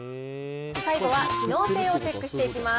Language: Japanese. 最後は機能性をチェックしていきます。